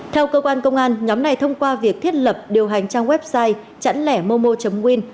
theo cơ quan công an nhóm này thông qua việc thiết lập điều hành trang website chẵnlẻmomo win